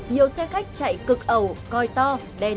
nhiều xe khách chạy cực ẩu coi to đen